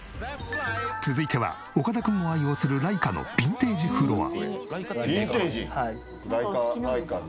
続いては岡田君も愛用するライカのビンテージフロア。